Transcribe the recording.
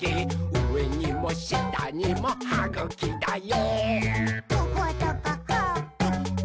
うえにもしたにもはぐきだよ！」